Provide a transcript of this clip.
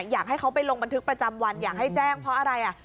อยากให้เขาไปลงบันทึกประจำวันอยากให้แจ้งเพราะอะไรอ่ะ